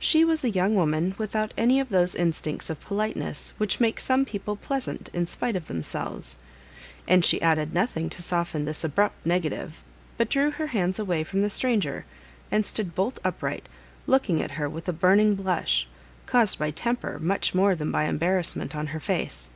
She was a young wo man without any of those instincts of politeness which make some people pleasant in spite of themselves; and she added nothing to soften this abrupt negative, but drew her hands away from the stranger and stood bolt upright, looking at her, with a burning blush, caused by temper much more than by embarrassment, on her face.